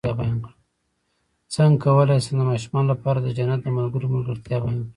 څنګه کولی شم د ماشومانو لپاره د جنت د ملګرو ملګرتیا بیان کړم